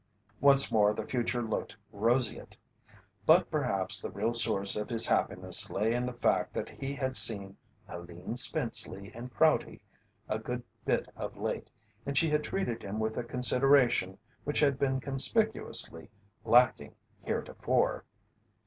Once more the future looked roseate; but perhaps the real source of his happiness lay in the fact that he had seen Helene Spenceley in Prouty a good bit of late and she had treated him with a consideration which had been conspicuously lacking heretofore.